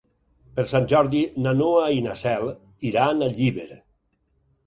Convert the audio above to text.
Per Sant Jordi na Noa i na Cel iran a Llíber.